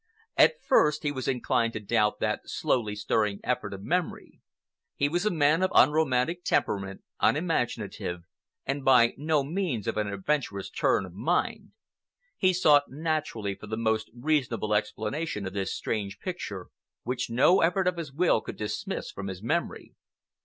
At first he was inclined to doubt that slowly stirring effort of memory. He was a man of unromantic temperament, unimaginative, and by no means of an adventurous turn of mind. He sought naturally for the most reasonable explanation of this strange picture, which no effort of his will could dismiss from his memory.